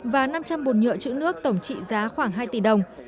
và năm trăm linh bồn nhựa chữ nước tổng trị giá khoảng hai tỷ đồng